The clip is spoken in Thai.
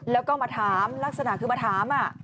แล้วก็มาถามลักษณะคือมาถาม